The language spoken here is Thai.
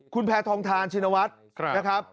คุณแพทองทานชินวัฒน์นะครับ